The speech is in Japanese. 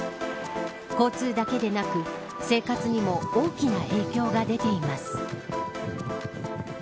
交通だけでなく生活にも大きな影響が出ています